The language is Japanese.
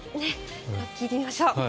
聞いてみましょう。